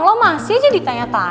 kalau masih aja ditanya tanya